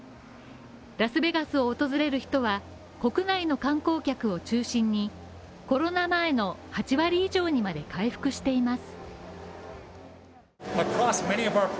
ラスベガスを訪れる人は、国内の観光客を中心に、コロナ前の８割以上にまで回復しています。